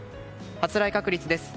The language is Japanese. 発雷確率です。